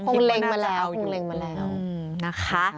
เล็งมาแล้วคงเล็งมาแล้วนะคะ